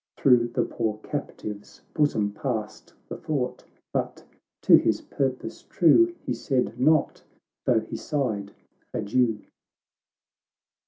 — Through the poor captive's bosom passed The thought, but, to his purpose true, He said not, though he sighed, "Adieu